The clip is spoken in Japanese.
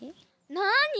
なに？